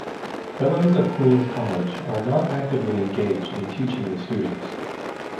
Fellows of Queen's College are not actively engaged in teaching the students.